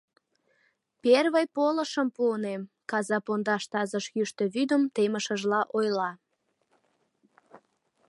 — Первый полышым пуынем, — каза пондаш тазыш йӱштӧ вӱдым темышыжла ойла.